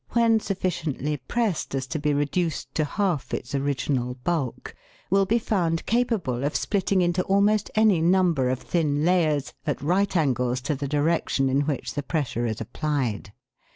when sufficently pressed as to be reduced to half its original bulk, will be found capable of splitting into almost any number of thin layers at right angles to the direction in which the pressure is applied.